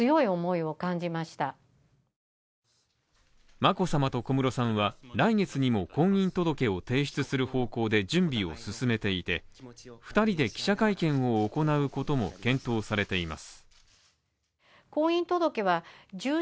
眞子さまと小室さんは、来月にも婚姻届を提出する方向で準備を進めていて、２人で記者会見を行うことも検討されています。